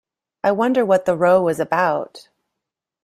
I wonder what the row was about.